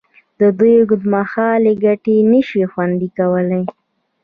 د دوی اوږدمهالې ګټې نشي خوندي کولې.